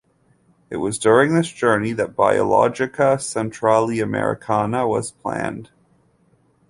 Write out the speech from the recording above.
It was during this journey that the "Biologia Centrali-Americana" was planned.